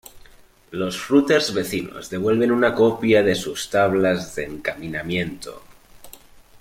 Los "routers" vecinos devuelven una copia de sus tablas de encaminamiento.